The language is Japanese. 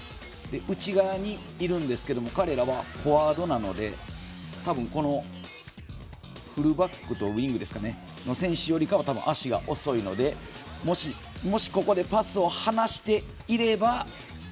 内側にいるんですが彼らはフォワードなので多分、フルバックとウイングの選手よりかは足が遅いのでもし、ここでパスを放していれば。